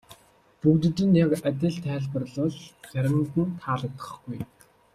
Бүгдэд нь яг адил тайлбарлавал заримд нь таалагдахгүй.